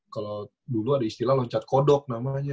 kalau dulu ada istilah loncat kodok namanya